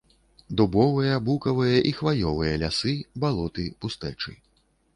Дубовыя, букавыя і хваёвыя лясы, балоты, пустэчы.